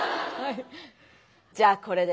じゃあこれで。